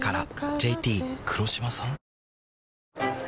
ＪＴ黒島さん？